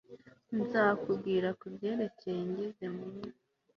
Nzakubwira kubyerekeye ngeze murugo